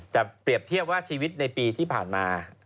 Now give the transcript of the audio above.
แต่เปรียบเทียบว่าชีวิตในปีที่ผ่านมา